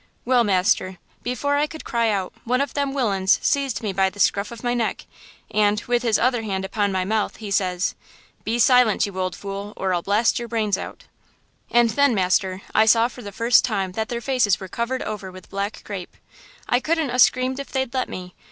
"Well, master, before I could cry out, one of them willains seized me by the scruff of my neck, and, with his other hand upon my mouth, he says: "'Be silent, you old fool, or I'll blow your brains out!' "And then, master, I saw for the first time that their faces were covered over with black crape. I couldn't a screamed if they'd let me!